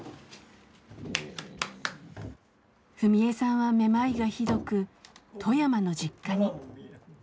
史恵さんはめまいがひどく富山の実家に。